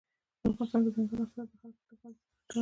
په افغانستان کې دځنګل حاصلات د خلکو د اعتقاداتو سره تړاو لري.